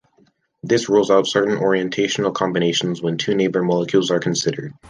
This rules out certain orientational combinations when two neighbor molecules are considered.